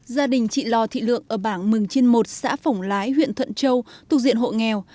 gia đình chị lò thị lượng ở bảng mừng chiên một xã phổng lái huyện thuận châu thuộc diện hộ nghèo